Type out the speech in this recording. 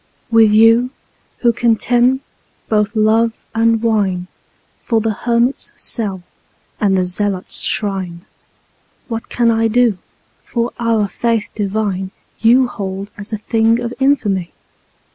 With you, who contemn both love and wine2 for the hermit's cell and the zealot's shrine, What can I do, for our Faith divine you hold as a thing of infamy?